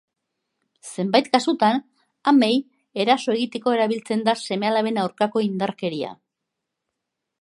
Zenbait kasutan amei eraso egiteko erabiltzen da seme-alaben aurkako indarkeria.